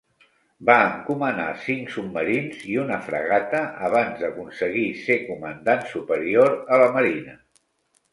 Va encomanar cinc submarins i una fragata abans d'aconseguir ser comandant superior a la marina.